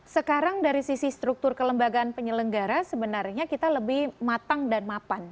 sekarang dari sisi struktur kelembagaan penyelenggara sebenarnya kita lebih matang dan mapan